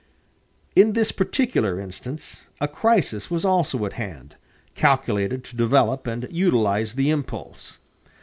In this particular instance a crisis was also at hand, calculated to develop and utilize the impulse.